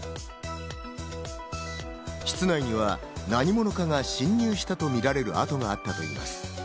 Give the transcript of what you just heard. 室内には何者かが侵入したとみられる跡があったといいます。